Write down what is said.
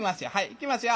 いきますよ。